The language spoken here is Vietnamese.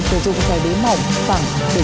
sử dụng xe bế mỏng phẳng để